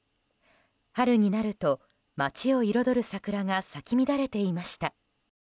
春になると街を彩る桜が咲き乱れていました。